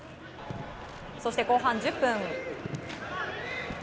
そして後半１０分。